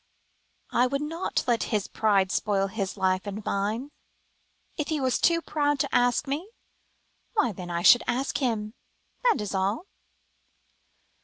"I would not let his pride spoil his life and mine. If he was too proud to ask me why, then, I should ask him, that is all."